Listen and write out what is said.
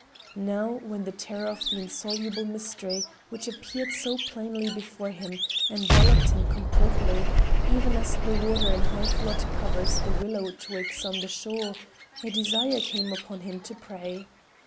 Now when the terror of the insoluble mystery, which appeared so plainly before him, enveloped him completely, even as the water in high flood covers the willow twigs on the shore,—a desire came upon him to pray.